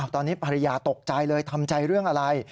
ตอนนี้ภรรยาตกใจเลยทำใจเรื่องอะไร